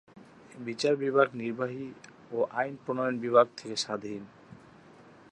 বিচার বিভাগ নির্বাহী ও আইন প্রণয়ন বিভাগ থেকে স্বাধীন।